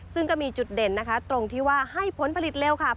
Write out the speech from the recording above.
ซึ่งก็มีจุดเด่นนะคะตรงที่ว่าให้ผลผลิตเร็วค่ะ